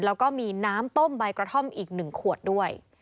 แล้วก็มีน้ำต้มใบกระท่อมอีก๑ขวดด้วย